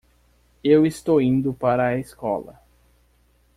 Eu estou indo para a escola.